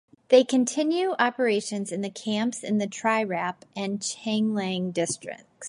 They continue operations in camps in the Tirap and Changlang districts.